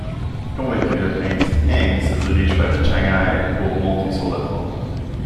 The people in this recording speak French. Convaincu, le Prince Heng se dirige vers Chang'an pour monter sur le trône.